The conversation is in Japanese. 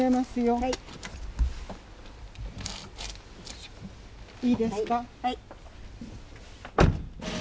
はい。